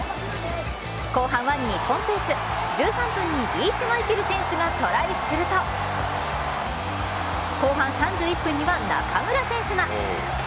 後半は日本ペース１３分にリーチ・マイケル選手がトライすると後半３１分には、中村選手が。